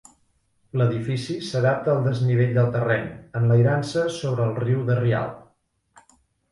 L'edifici s'adapta al desnivell del terreny, enlairant-se sobre el riu de Rialb.